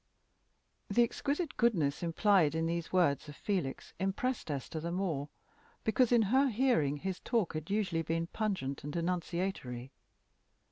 The exquisite goodness implied in these words of Felix impressed Esther the more, because in her hearing his talk had usually been pungent and denunciatory.